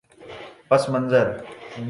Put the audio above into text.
پس منظر